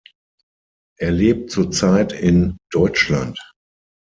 Er lebt zurzeit in Deutschland.